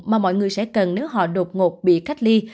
mà mọi người sẽ cần nếu họ đột ngột bị cách ly